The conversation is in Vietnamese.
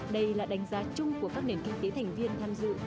đây là đánh giá chung của các nền kinh tế thành viên tham dự